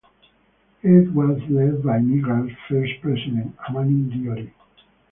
It was led by Niger's first President, Hamani Diori.